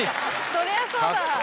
そりゃそうだ。